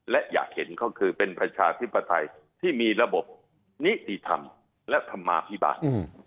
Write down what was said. และอยากเห็นเขาคือเป็นประชาธิปไตยที่มีระบบนิติธรรมและธรรมาภิบาล